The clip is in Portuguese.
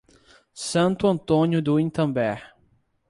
Santo Antônio do Itambé